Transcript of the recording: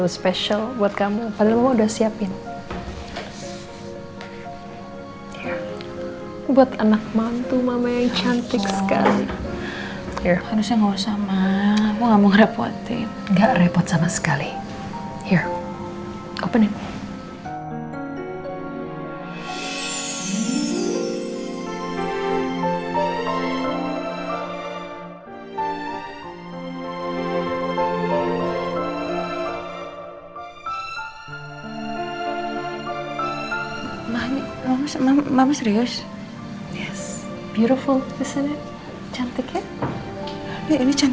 sampai jumpa di video selanjutnya